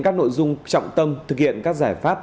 các nội dung trọng tâm thực hiện các giải pháp